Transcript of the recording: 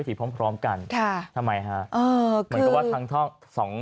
พิธีพร้อมกันค่ะทำไมฮะเอ่อคือมันก็ว่าทั้งท่องสอง